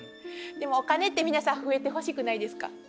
でもお金って皆さん増えてほしくないですか？